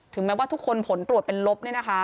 แม้ว่าทุกคนผลตรวจเป็นลบ